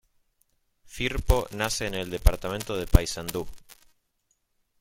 Firpo nace en el departamento de Paysandú.